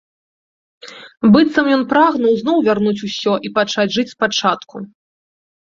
Быццам ён прагнуў зноў вярнуць усё і пачаць жыць спачатку.